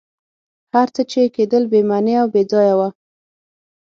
هر څه چي کېدل بي معنی او بېځایه وه.